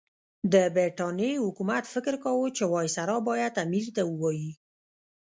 د برټانیې حکومت فکر کاوه چې وایسرا باید امیر ته ووايي.